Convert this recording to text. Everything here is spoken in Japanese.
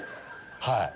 はい。